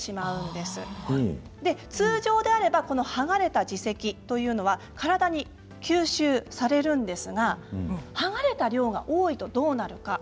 で通常であればこの剥がれた耳石というのは体に吸収されるんですが剥がれた量が多いとどうなるか。